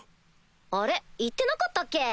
あれ言ってなかったっけ？